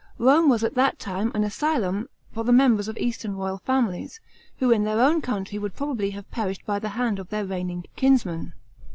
Rome was at this time an asylum for the members of eastern royal families, who in their own country would probably haveperishtd by the hand of their reigning kinsmen.